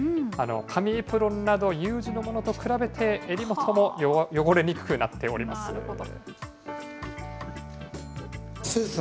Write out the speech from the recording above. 紙エプロンなどＵ字のものと比べて、襟元も汚れにくくなっておりなるほど。